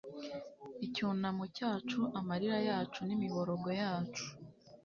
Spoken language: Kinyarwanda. Icyunamo cyacu amarira yacu nimiborogo yacu